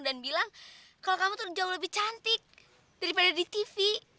dan bilang kalo kamu tuh jauh lebih cantik daripada di tv